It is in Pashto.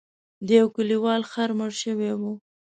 د یو کلیوال خر مړ شوی و.